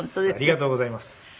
ありがとうございます。